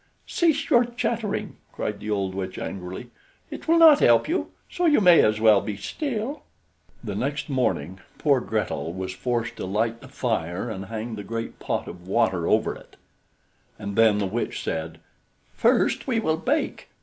"Cease your chattering," cried the old witch angrily. "It will not help you, so you may as well be still." The next morning poor Gretel was forced to light the fire and hang the great pot of water over it, and then the witch said: "First we will bake.